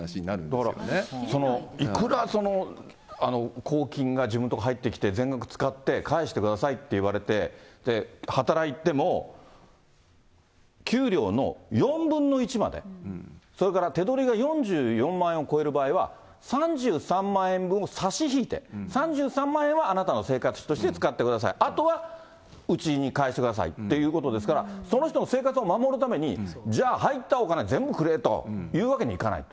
だから、いくら公金が自分のところ入ってきて、全額使って返してくださいって言われて、働いても、給料の４分の１まで、それから手取りが４４万円を超える場合は、３３万円分を差し引いて、３３万円はあなたの生活費として使ってください、あとはうちに返してくださいっていうことですから、その人の生活を守るために、じゃあ、入ったお金、全部くれというわけにいかない。